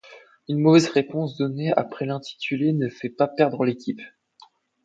Une mauvaise réponse donnée après l'intitulé ne fait pas perdre l'équipe.